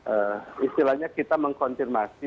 ee istilahnya kita mengkonsirmasi